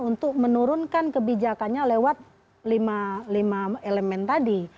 untuk menurunkan kebijakannya lewat lima elemen tadi